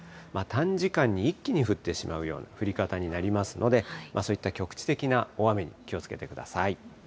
短時間に一気に降ってしまうような降り方になりますので、そういった局地的な大雨に気をつけてください。